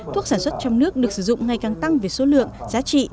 thuốc sản xuất trong nước được sử dụng ngày càng tăng về số lượng giá trị